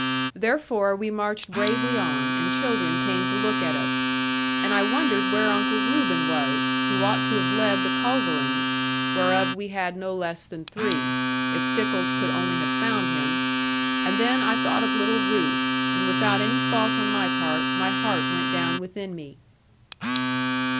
Therefore we marched bravely on, and children came to look at us. And I wondered where Uncle Reuben was, who ought to have led the culverins (whereof we had no less than three), if Stickles could only have found him; and then I thought of little Ruth; and without any fault on my part, my heart went down within me.